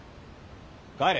帰れ。